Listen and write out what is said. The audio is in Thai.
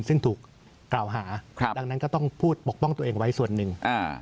ซึ่งถูกกล่าวหาดังนั้นก็ต้องพูดปกป้องตัวเองไว้ส่วนหนึ่ง